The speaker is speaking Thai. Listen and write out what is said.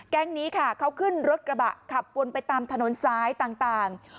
แก๊งนี้ค่ะเขาขึ้นรถกระบะขับวนไปตามถนนซ้ายต่าง